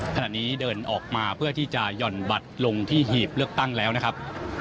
ขณะนี้เดินออกมาเพื่อที่จะหย่อนบัตรลงที่หีบเลือกตั้งแล้วนะครับ